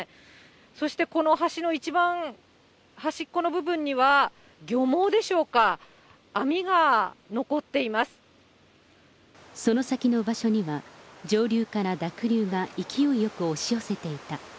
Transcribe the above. そしてこの橋の一番端っこの部分には、漁網でしょうか、その先の場所には、上流から濁流が勢いよく押し寄せていた。